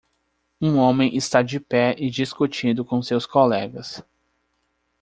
Um homem está de pé e discutindo com seus colegas